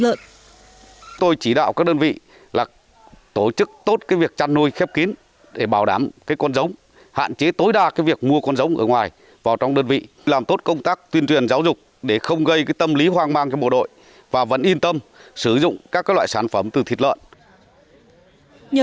quân khu bốn đã chỉ đạo các đơn vị tổ chức tốt việc chăn nuôi khép kín để bảo đảm con giống hạn chế tối đa việc mua con giống ở ngoài vào trong đơn vị làm tốt công tác tuyên truyền giáo dục để không gây tâm lý hoang mang cho bộ đội và vẫn yên tâm sử dụng các loại sản phẩm từ thịt lợn